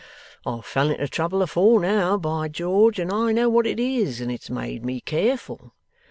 I've fell into trouble afore now, by George, and I know what it is, and it's made me careful.